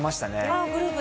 ああグループで？